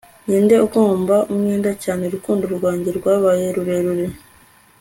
ninde ugomba umwenda cyane? urukundo rwanjye rwabaye rurerure